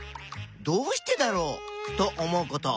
「どうしてだろう」と思うこと。